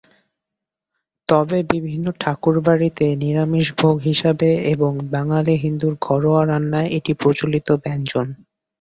তবে বিভিন্ন ঠাকুর বাড়িতে নিরামিষ ভোগ হিসাবে এবং বাঙালি হিন্দুর ঘরোয়া রান্নায় এটি প্রচলিত ব্যঞ্জন।